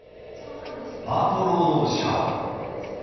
パート労働者は。